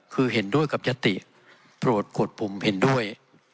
คือเห็นด้วยกับยติโปรดกดปุ่มเห็นด้วย